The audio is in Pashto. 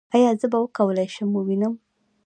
ایا زه به وکولی شم ووینم؟